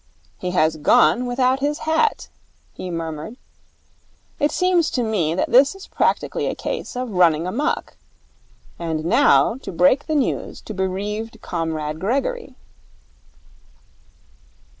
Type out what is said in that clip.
'He has gone without his hat,' he murmured. 'It seems to me that this is practically a case of running amok. And now to break the news to bereaved Comrade Gregory.'